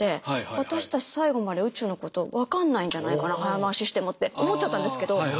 私たち最後まで宇宙のこと分かんないんじゃないかな早回ししてもって思っちゃったんですけど。